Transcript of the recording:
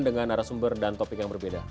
dengan arah sumber dan topik yang berbeda